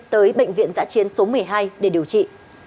tới bệnh viện giã chiến số một mươi hai để điều trị